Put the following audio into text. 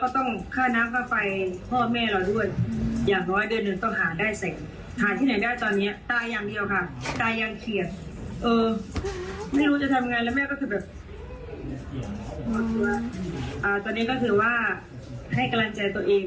ตอนนี้ก็คือว่าให้กำลังใจตัวเอง